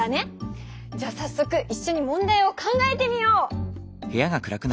じゃあさっそくいっしょに問題を考えてみよう！